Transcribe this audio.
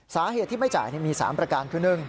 สาเหตุที่ไม่จ่ายมี๓ประการคือ๑